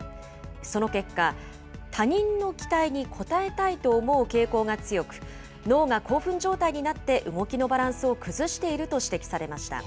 その結果、他人の期待に応えたいと思う傾向が強く、脳が興奮状態になって動きのバランスを崩していると指摘されました。